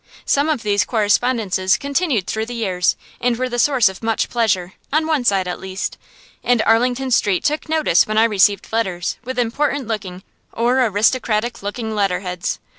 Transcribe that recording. Some of these correspondences continued through years, and were the source of much pleasure, on one side at least. And Arlington Street took notice when I received letters with important looking or aristocratic looking letterheads.